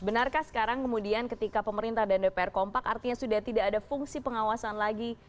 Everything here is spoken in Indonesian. benarkah sekarang kemudian ketika pemerintah dan dpr kompak artinya sudah tidak ada fungsi pengawasan lagi